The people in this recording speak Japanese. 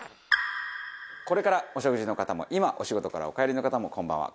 これからお食事の方も今お仕事からお帰りの方もこんばんは。